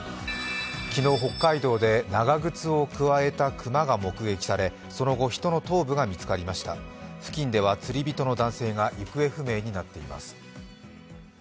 昨日、北海道で長靴をくわえた熊が発見されその後、人の頭部が見つかりました付近では釣り人の男性が行方不明になっています。